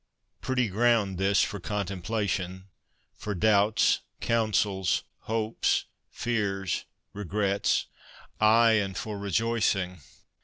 Pretty ground this for contemplation — for doubts, counsels, hopes, fears, regrets ; aye, and for rejoic ing